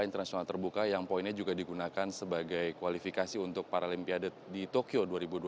internasional terbuka yang poinnya juga digunakan sebagai kualifikasi untuk paralimpiade di tokyo dua ribu dua puluh